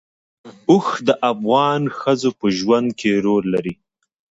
اوښ د افغان ښځو په ژوند کې رول لري.